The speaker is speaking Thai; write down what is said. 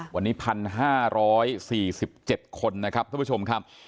วันนี้๑๕๔๗คนนะครับท่านผู้ชมครับ